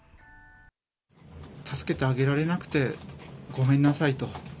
助けてあげられなくてごめんなさいと。